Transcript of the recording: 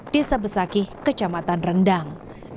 desa besakih kecamatan rendang